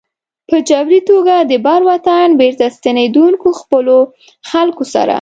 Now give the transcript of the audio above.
په جبري توګه د بر وطن بېرته ستنېدونکو خپلو خلکو سره.